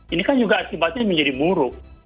ini kan juga akibatnya menjadi buruk